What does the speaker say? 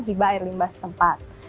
hibah air limbah setempat